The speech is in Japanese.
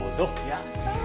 やったー！